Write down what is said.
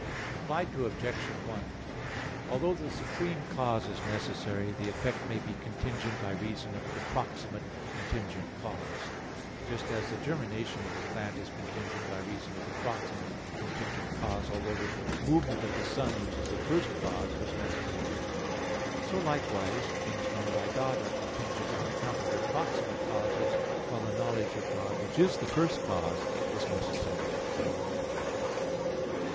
Reply Obj. 1: Although the supreme cause is necessary, the effect may be contingent by reason of the proximate contingent cause; just as the germination of a plant is contingent by reason of the proximate contingent cause, although the movement of the sun which is the first cause, is necessary. So likewise things known by God are contingent on account of their proximate causes, while the knowledge of God, which is the first cause, is necessary.